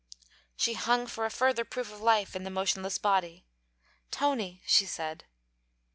She hung for a further proof of life in the motionless body. 'Tony!' she said.